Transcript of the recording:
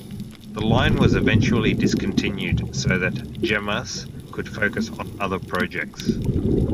The line was eventually discontinued so that Jemas could focus on other projects.